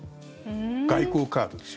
外交カードです。